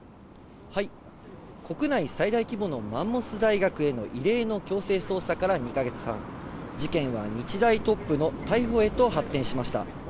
国内最大規模のマンモス大学への異例の強制捜査から２か月半、事件は日大トップの逮捕へと発展しました。